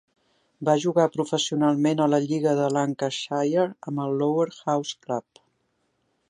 Va jugar professionalment a la lliga de Lancashire amb el Lower House Club.